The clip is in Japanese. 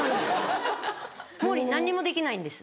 モーリー何にもできないんです。